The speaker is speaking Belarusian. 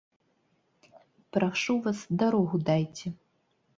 Прашу вас, дарогу дайце!